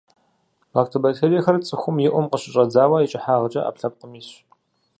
Лактобактериехэр – цӏыхум и ӏум къыщыщӏэдзауэ икӏыхьагъкӏэ ӏэпкълъэпкъым исщ.